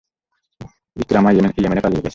ইকরামা ইয়ামেনে পালিয়ে গেছে।